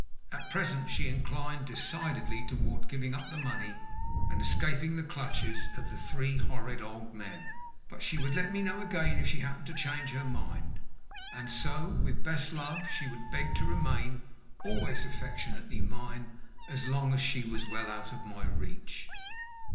At present she inclined decidedly toward giving up the money and escaping the clutches of "the three horrid old men;" but she would let me know again if she happened to change her mind. And so, with best love, she would beg to remain always affectionately mine, as long as she was well out of my reach.